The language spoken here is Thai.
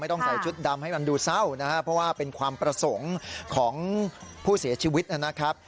ต้องใส่ชุดดำให้มันดูเศร้านะครับเพราะว่าเป็นความประสงค์ของผู้เสียชีวิตนะครับ